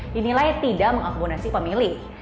dinilai tidak mengakibatkan pemilih